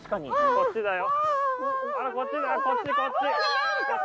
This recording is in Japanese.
こっちだよ